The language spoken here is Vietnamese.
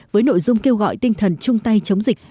với nội dung kêu gọi tinh thần chung tay chống dịch